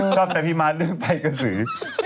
ชอบแต่พี่ม้าเรื่องใบกระสือ